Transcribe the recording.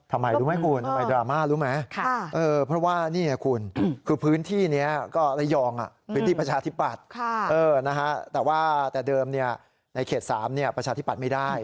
ทำไมรู้ไหมคุณทำไมดราม่ารู้ไหมเพราะว่านี่ไงคุณคือพื้นที่นี้ก็ระยองพื้นที่ประชาธิปัตย์แต่ว่าแต่เดิมในเขต๓ประชาธิปัตย์ไม่ได้